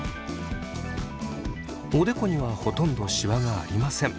おでこにはほとんどシワがありません。